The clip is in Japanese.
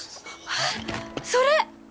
あっそれ！